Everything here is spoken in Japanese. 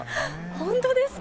本当ですか？